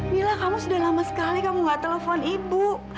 mila kamu sudah lama sekali kamu gak telepon ibu